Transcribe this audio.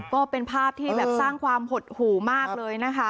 ก็เป็นภาพที่แบบสร้างความหดหูมากเลยนะคะ